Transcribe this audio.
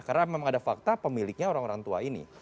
karena memang ada fakta pemiliknya orang orang tua ini